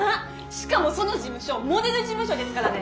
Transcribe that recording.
しかもその事務所モデル事務所ですからね。